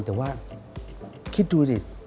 แต่ว่าคิดดูสิ